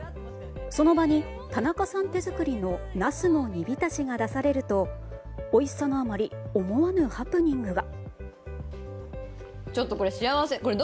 その場に田中さん手作りのナスの煮浸しが出されるとおいしさのあまり思わぬハプニングが。